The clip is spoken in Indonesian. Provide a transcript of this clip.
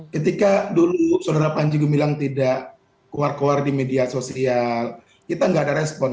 ketika dulu saudara panji gumilang tidak keluar keluar di media sosial kita nggak ada respon